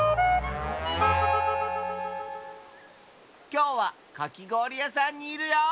きょうはかきごおりやさんにいるよ！